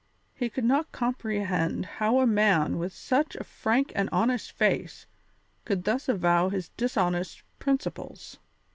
He could not comprehend how a man with such a frank and honest face could thus avow his dishonest principles.